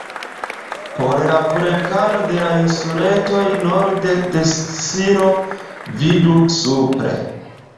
Por la vulkanoj de la insuletoj norde de Sicilio, vidu supre.